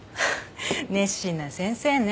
熱心な先生ね。